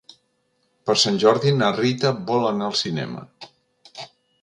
Per Sant Jordi na Rita vol anar al cinema.